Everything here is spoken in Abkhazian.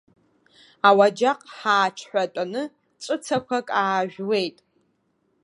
Ауаџьаҟ ҳааҽҳәатәаны ҵәыцақәак аажәуеит.